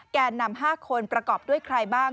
แก่นำ๕คนประกอบด้วยใครบ้าง